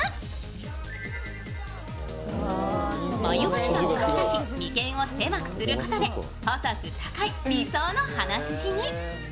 眉頭を描き足し眉間を狭くすることで細く高い理想の鼻筋に。